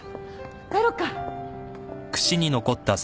帰ろっか。